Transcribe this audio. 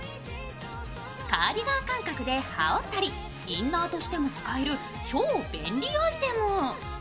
カーディガン感覚で羽織ったりインナー感覚でも使える超便利アイテム。